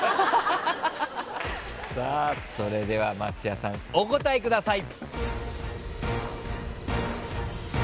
さあそれでは松也さんお答えください。